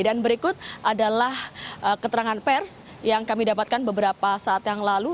dan berikut adalah keterangan pers yang kami dapatkan beberapa saat yang lalu